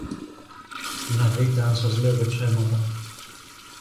να δείτε αν σας λέγω ψέματα.